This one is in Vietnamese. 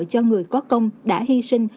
cho người có công đã hy sinh